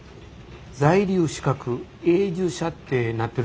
在留資格「永住者」ってなってるでしょ？